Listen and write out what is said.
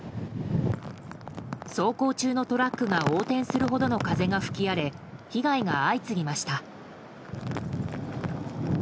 走行中のトラックが横転するほどの風が吹き荒れ被害が相次ぎました。